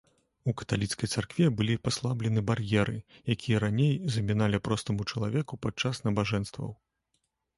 У каталіцкай царкве былі паслаблены бар'еры, якія раней заміналі простаму чалавеку падчас набажэнстваў.